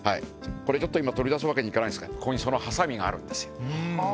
これちょっと今取り出すわけにいかないですが海海そのハサミがあるんですよ。